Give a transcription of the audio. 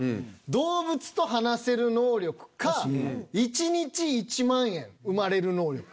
動物と話せる能力か１日１万円生まれる能力。